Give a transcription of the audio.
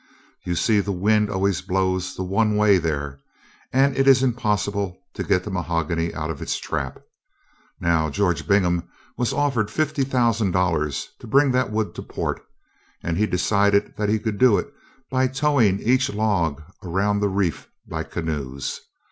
You see the wind always blows the one way there, and it is impossible to get the mahogany out of its trap. Now, George Bingham was offered fifty thousand dollars to bring that wood to port, and he decided that he could do it by towing each log around the reef by canoes.